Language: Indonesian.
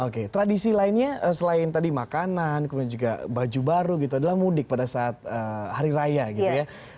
oke tradisi lainnya selain tadi makanan kemudian juga baju baru gitu adalah mudik pada saat hari raya gitu ya